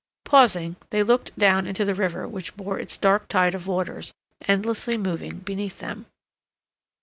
Pausing, they looked down into the river which bore its dark tide of waters, endlessly moving, beneath them.